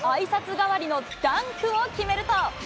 代わりのダンクを決めると。